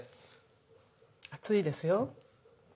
熱いですよ。